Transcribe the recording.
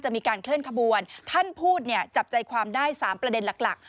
มีการเคลื่อนขบวนท่านพูดเนี่ยจับใจความได้๓ประเด็นหลักหลัก